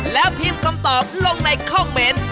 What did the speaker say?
แล้วพิมพ์คำตอบลงในคอมเมนต์